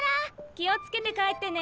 気をつけて帰ってね。